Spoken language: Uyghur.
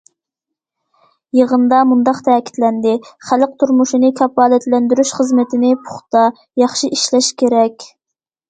يىغىندا مۇنداق تەكىتلەندى: خەلق تۇرمۇشىنى كاپالەتلەندۈرۈش خىزمىتىنى پۇختا، ياخشى ئىشلەش كېرەك.